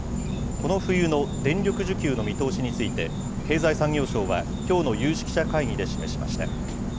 この冬の電力需給の見通しについて、経済産業省は、きょうの有識者会議で示しました。